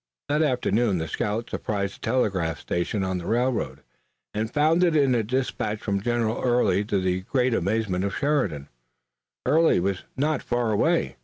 That afternoon the scouts surprised a telegraph station on the railroad, and found in it a dispatch from General Early. To the great amazement of Sheridan, Early was not far away.